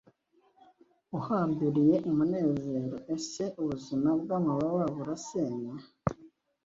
Uhambiriye umunezero Ese ubuzima bwamababa burasenya